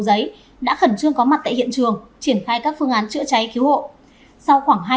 giấy đã khẩn trương có mặt tại hiện trường triển khai các phương án chữa cháy cứu hộ sau khoảng